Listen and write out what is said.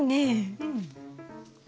うん。